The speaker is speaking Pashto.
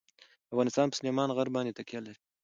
افغانستان په سلیمان غر باندې تکیه لري.